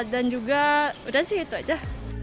dan juga udah sih itu aja